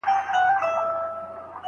څوک باید څېړونکي ته بشپړه خپلواکي ورکړي؟